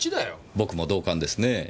僕も同感ですねぇ。